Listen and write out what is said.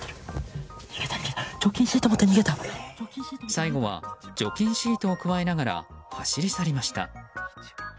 最後は除菌シートをくわえながら、走り去りました。